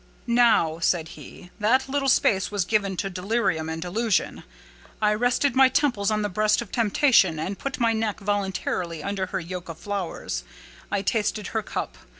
"Now," said he, "that little space was given to delirium and delusion. I rested my temples on the breast of temptation, and put my neck voluntarily under her yoke of flowers; I tasted her cup.